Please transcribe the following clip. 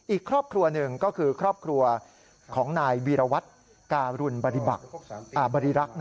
อีกครอบครัวหนึ่งก็คือครอบครัวของนายวีรวัตรการุณบริรักษ์